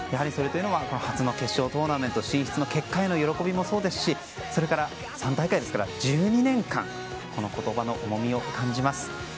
それというのは初の決勝トーナメント進出の結果への喜びもそうですしそれから、３大会ですから１２年間という言葉の重みを感じますｌ。